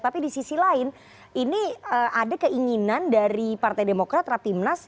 tapi di sisi lain ini ada keinginan dari partai demokrat rapimnas